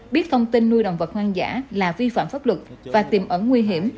biết thông tin nuôi động vật hoang dã là vi phạm pháp luật và tiềm ẩn nguy hiểm